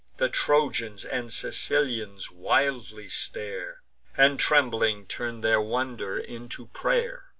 The Trojans and Sicilians wildly stare, And, trembling, turn their wonder into pray'r.